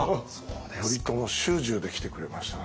頼朝主従で来てくれましたね。